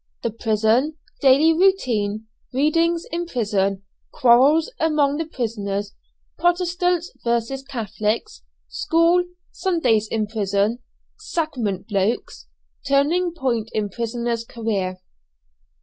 THE PRISON DAILY ROUTINE READINGS IN PRISON QUARRELS AMONG THE PRISONERS PROTESTANTS VERSUS CATHOLICS SCHOOL SUNDAYS IN PRISON "SACRAMENT BLOKES" TURNING POINT IN PRISONERS' CAREER.